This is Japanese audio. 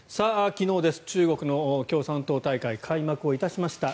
昨日、中国の共産党大会開幕いたしました。